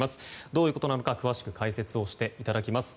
どういうことなのか詳しく解説していただきます。